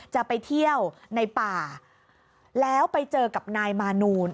จะไปเที่ยวในป่าแล้วไปเจอกับนายมานูน